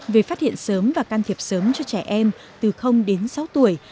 về phát hiện sớm và can thiệp sớm cho trẻ em từ đến sáu tuổi